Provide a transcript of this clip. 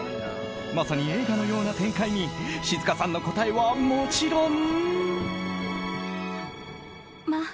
まさに映画のような展開に静さんの答えはもちろん。